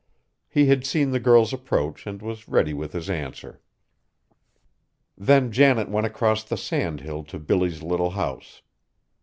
He had seen the girl's approach and was ready with his answer. Then Janet went across the sand hill to Billy's little house.